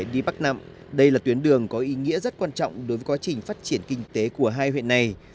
đi bắc nậm đây là tuyến đường có ý nghĩa rất quan trọng đối với quá trình phát triển kinh tế của hai huyện này